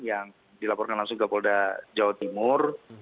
yang dilaporkan langsung ke polda jawa timur